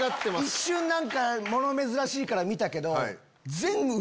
一瞬物珍しいから見たけど。